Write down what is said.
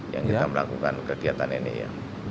yang kita melakukan kegiatan ini ya